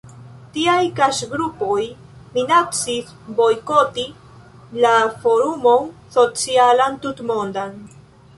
Tiaj kaŝgrupoj minacis bojkoti la Forumon Socialan Tutmondan.